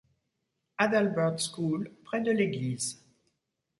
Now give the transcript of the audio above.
Adalbert School, près de l'église.